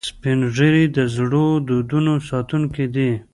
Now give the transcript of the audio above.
سپین ږیری د زړو دودونو ساتونکي دي